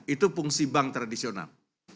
itu fungsi bank tradisional